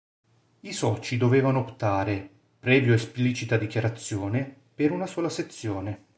I soci dovevano optare, previo esplicita dichiarazione, per una sola sezione.